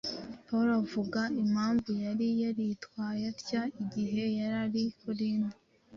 Pawulo avuga impamvu yari yaritwaye atya igihe yari i Korinto.